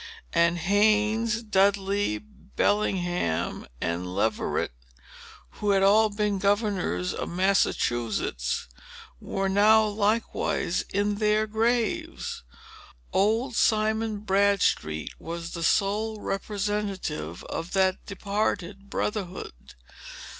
And Haynes, Dudley, Bellingham and Leverett, who had all been governors of Massachusetts, were now likewise in their graves. Old Simon Bradstreet was the sole representative of that departed brotherhood.